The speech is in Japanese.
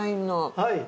はい。